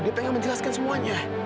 dia pengen menjelaskan semuanya